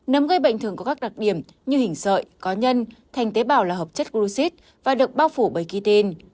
nấm gây bệnh thường có các đặc điểm như hình sợi có nhân thành tế bào là hợp chất gruxid và được bao phủ bởi kỳ tin